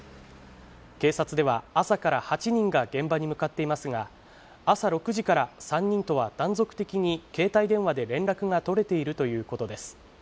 警察では朝から８人が現場に向かっていますが、朝６時から３人とは断続的に携帯電話で連絡が取れているということです。